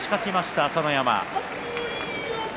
右差し勝ちました、朝乃山。